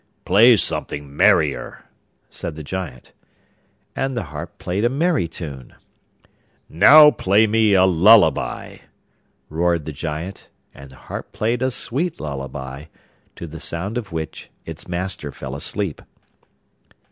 'Play something merrier!' said the Giant. And the harp played a merry tune. 'Now play me a lullaby,' roared the Giant; and the harp played a sweet lullaby, to the sound of which its master fell asleep.